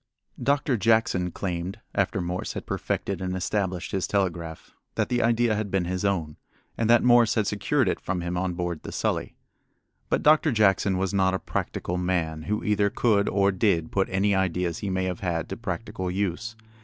Doctor Jackson claimed, after Morse had perfected and established his telegraph, that the idea had been his own, and that Morse had secured it from him on board the Sully. But Doctor Jackson was not a practical man who either could or did put any ideas he may have had to practical use.